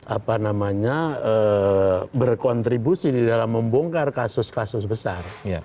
apa namanya berkontribusi di dalam membongkar kasus kasus besar